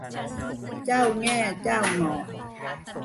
เจ้าแง่เจ้างอน